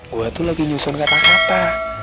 gue tuh lagi nyusun kata kata